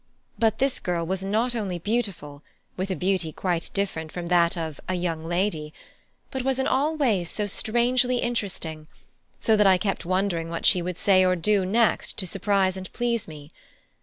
But this girl was not only beautiful with a beauty quite different from that of "a young lady," but was in all ways so strangely interesting; so that I kept wondering what she would say or do next to surprise and please me.